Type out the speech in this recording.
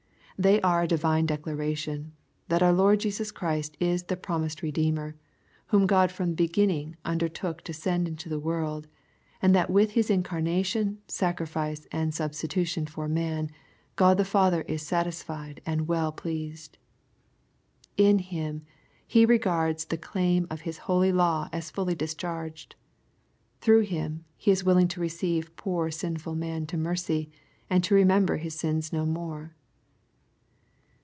They are a divine declaration, that our Lord Jesus Christ is the promised Bedeemer, whom God from the beginning undertook to send into the world, and that with His incarnation, sacrifice, and sub stitution for man, Gh>d the Father is satisfied and well pleased. In Him, He regards the claim of His holy law as fully discharged. Through Him, He is willing to receive poor sinful man to mercy, and to remember his sins no more.